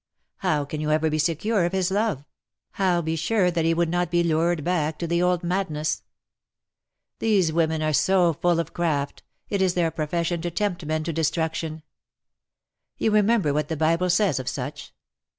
How can you ever be secure of his love ? how be sure that he would not be lured back to the old madness ? These women are so full of craft — it is their profession to tempt men to destruction. You remember what the Bible says of such